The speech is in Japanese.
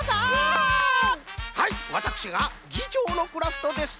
はいわたくしがぎちょうのクラフトです。